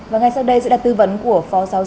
và ngay sau đây sẽ là tư vấn của phó giáo sư